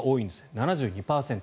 ７２％。